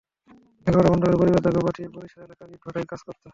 লেখাপড়া বন্ধ করে পরিবার তাকেও পাঠিয়েছে বরিশাল এলাকার ইটভাটায় কাজ করতে।